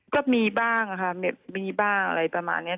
ก็มีบ้างค่ะมีบ้างอะไรประมาณนี้